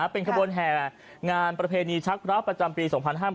เป็นขบวนแห่งานประเพณีชักพระประจำปี๒๕๕๙